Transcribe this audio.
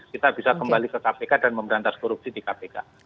kita bisa kembali ke kpk dan memberantas korupsi di kpk